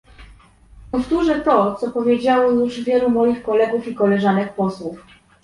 Powtórzę to, co powiedziało już wielu moich kolegów i koleżanek posłów